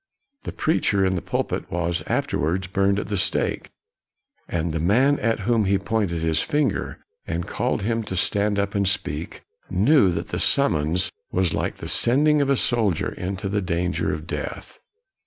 The preacher in the pulpit was afterwards burned at the stake, and the man at whom he pointed his finger and called him to stand up and speak, knew that the sum mons was like the sending of a soldier into the danger of death.